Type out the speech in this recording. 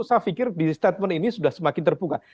saya pikir di statement ini sudah semakin terbuka